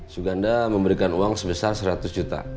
suganda memberikan uang sebesar seratus juta